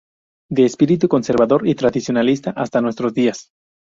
De espíritu conservador y tradicionalista hasta nuestros días.